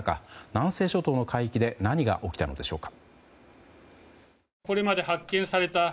南西諸島の海域で何が起きたのでしょうか。